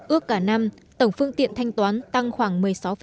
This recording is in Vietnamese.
ước cả năm tổng phương tiện thanh toán tăng khoảng một mươi sáu